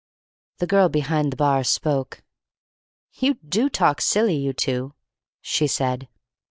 The girl behind the bar spoke. "You do talk silly, you two!" she said.